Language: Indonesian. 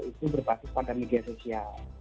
itu berbasis pada media sosial